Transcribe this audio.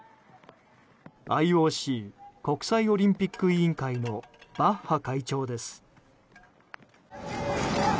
ＩＯＣ・国際オリンピック委員会のバッハ会長です。